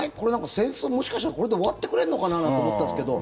戦争、もしかしたらこれで終わってくれんのかな？なんて思ったんですけど